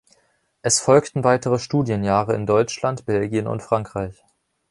Es folgten weitere Studienjahre in Deutschland, Belgien und Frankreich.